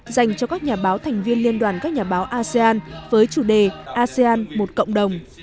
dành cho các nhà báo thành viên liên đoàn các nhà báo asean với chủ đề asean một cộng đồng